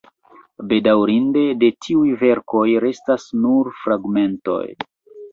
Bedaŭrinde, de tiuj verkoj restas nur fragmentoj.